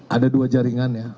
ada dua jaringan ya